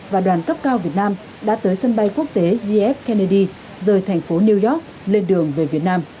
và đoàn cấp cao việt nam đã tới sân bay quốc tế gf kennedy rời thành phố new york lên đường về việt nam